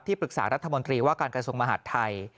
ปรึกษารัฐมนตรีว่าการกระทรวงมหาดไทย